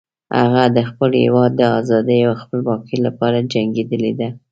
هغه د خپل هیواد د آزادۍ او خپلواکۍ لپاره جنګیدلی ده